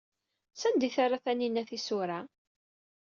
Sanda ay terra Taninna tisura?